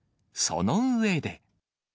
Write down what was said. その上で。